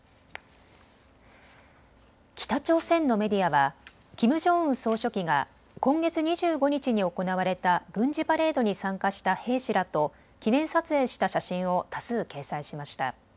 北朝鮮のメディアはキム・ジョンウン総書記が今月２５日に行われた軍事パレードに参加した兵士らと記念撮影した写真を多数掲載しました。